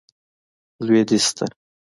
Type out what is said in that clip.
لوېدیځ ته.